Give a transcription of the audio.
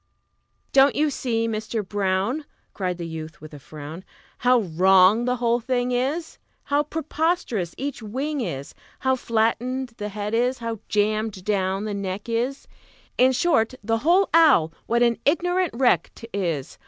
"Don't you see, Mister Brown," Cried the youth, with a frown, "How wrong the whole thing is, How preposterous each wing is, How flattened the head is, how jammed down the neck is In short, the whole owl, what an ignorant wreck 't is!